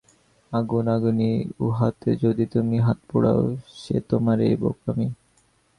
আগুন আগুনই, উহাতে যদি তুমি হাত পোড়াও, সে তোমারই বোকামি।